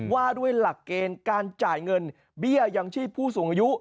ว่าด้วยหลักเกณฑ์การจ่ายเงินเบี้ยยังชีพผู้สูงอายุ